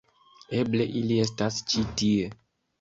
Eble ili estas ĉi tie.